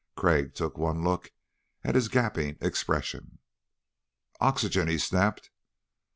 Crag took one look at his gaping expression. "Oxygen," he snapped.